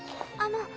あの。